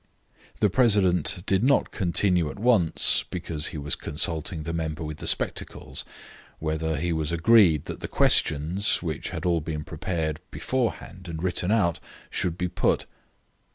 The president did not continue at once, because he was consulting the member with the spectacles, whether he was agreed that the questions (which had all been prepared be forehand and written out) should be put.